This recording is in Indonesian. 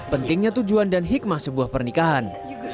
pentingnya tujuan dan hikmah sebuah pernikahan